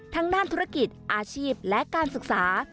ทั้งด้านธุรกิจอาชีพและการศึกษา